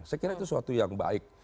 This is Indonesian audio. saya kira itu suatu yang baik